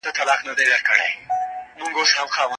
منځګړي دي د خاوند او ميرمني تر منځ د روغي هڅي وکړي.